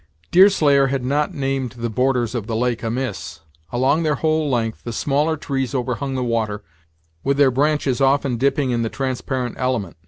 Deerslayer had not named the borders of the lake amiss. Along their whole length, the smaller trees overhung the water, with their branches often dipping in the transparent element.